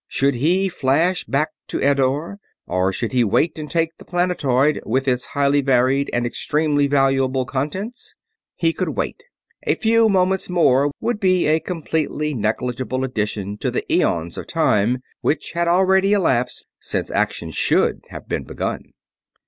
Should he flash back to Eddore, or should he wait and take the planetoid, with its highly varied and extremely valuable contents? He would wait; a few moments more would be a completely negligible addition to the eons of time which had already elapsed since action should have been begun.